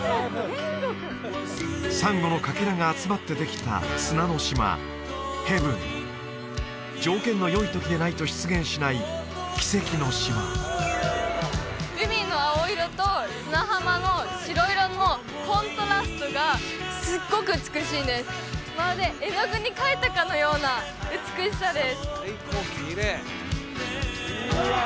サンゴのかけらが集まってできた砂の島ヘブン条件のよいときでないと出現しない奇跡の島海の青色と砂浜の白色のコントラストがすっごく美しいんですまるで絵の具で描いたかのような美しさです